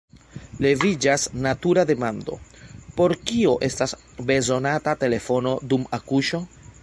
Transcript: Leviĝas natura demando: por kio estas bezonata telefono dum akuŝo?